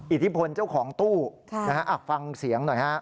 อิทธิพลเจ้าของตู้ฟังเสียงหน่อยฮะ